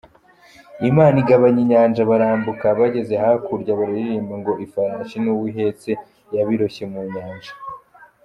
Imana igabanya inyanja barambuka bageze hakurya bararirimba ngo ifarasi n’uwihetse yabiroshye mu nyanja.